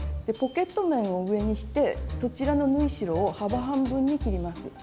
ポケット面を上にしてそちらの縫い代を幅半分に切ります。